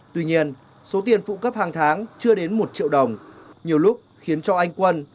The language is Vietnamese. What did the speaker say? tuy nhiên số tiền phụ cấp hàng tháng chưa đến một triệu đồng nhiều lúc khiến cho anh quân